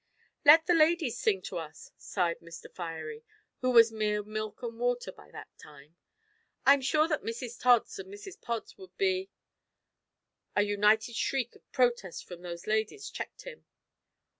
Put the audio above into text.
"Let the ladies sing to us," sighed Mr Fiery, who was mere milk and water by that time. "I'm sure that Mrs Tods and Mrs Pods would be " A united shriek of protest from those ladies checked him.